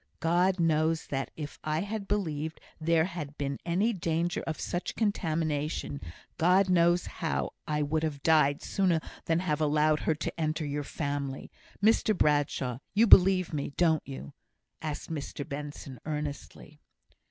"God knows that if I had believed there had been any danger of such contamination God knows how I would have died sooner than have allowed her to enter your family. Mr Bradshaw, you believe me, don't you?" asked Mr Benson, earnestly.